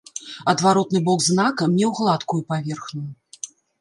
Адваротны бок знака меў гладкую паверхню.